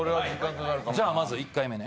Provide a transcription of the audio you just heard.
じゃあまず１回目ね。